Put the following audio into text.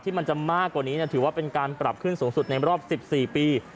มันจะมากกว่านี้ถือว่าเป็นการปรับขึ้นสูงสุดในรอบ๑๔ปี